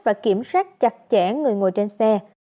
và kiểm soát chặt chẽ người ngồi trên xe